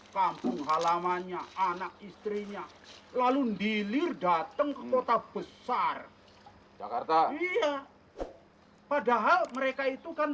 kampung halamannya anak istrinya lalu nilir datang ke kota besar jakarta iya padahal mereka itu kan